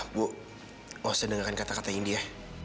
bu mau saya dengarkan kata kata indi ya